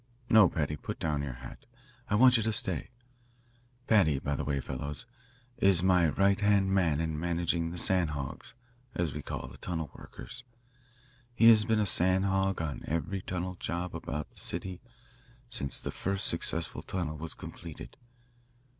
No, Paddy, put down your hat. I want you to stay. Paddy, by the way, fellows, is my right hand man in managing the 'sandhogs' as we call the tunnel workers. He has been a sand hog on every tunnel job about the city since the first successful tunnel was completed.